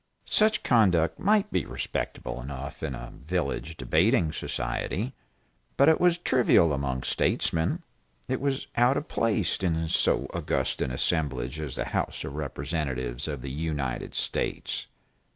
Such conduct might be respectable enough in a village debating society, but it was trivial among statesmen, it was out of place in so august an assemblage as the House of Representatives of the United States.